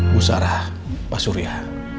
bu sarah mas surya